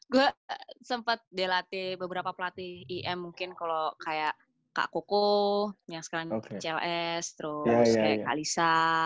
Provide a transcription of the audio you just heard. gue sempat dilatih beberapa pelatih im mungkin kalau kayak kak koko yang sekarang cls terus kayak kalisa